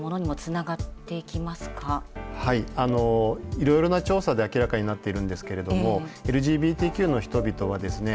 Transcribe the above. いろいろな調査で明らかになっているんですけれどもＬＧＢＴＱの人々はですね